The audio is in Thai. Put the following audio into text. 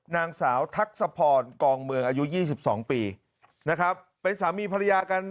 นางสาวทักษะพรกองเมืองอายุ๒๒ปีนะครับเป็นสามีภรรยากัน